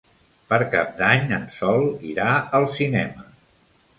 Per Cap d'Any en Sol irà al cinema.